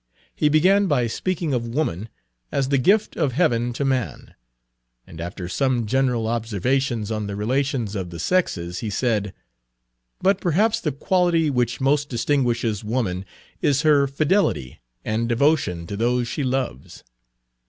He began by speaking of woman as the gift of Heaven to man, and after some general observations on the relations of the sexes he said: "But perhaps the quality which most distinguishes woman is her fidelity and devotion to those she loves.